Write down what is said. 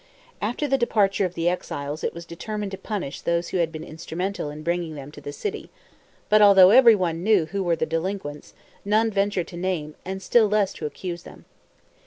After the departure of the exiles it was determined to punish those who had been instrumental in bringing them to the city; but, although everyone knew who were the delinquents, none ventured to name and still less to accuse them.